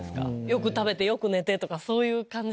よく食べてよく寝てとかそういう感じじゃ。